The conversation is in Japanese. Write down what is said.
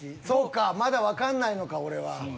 そうかまだ分かんないのか俺は。